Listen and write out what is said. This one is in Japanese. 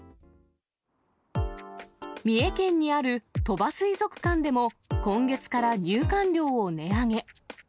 三重県にある鳥羽水族館でも、今月から入館料を値上げ。